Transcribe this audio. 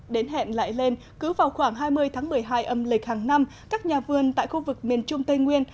đến hẹn lại lên cứ vào khoảng hai mươi tháng một mươi hai âm lịch hàng năm các nhà vườn tại khu vực miền trung tây nguyên